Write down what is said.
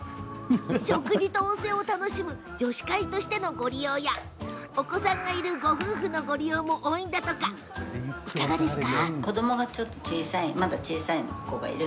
食事と温泉を楽しむ女子会としての利用やお子さんがいるご夫婦の利用も多いと言います。